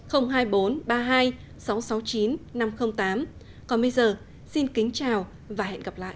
còn bây giờ xin kính chào và hẹn gặp lại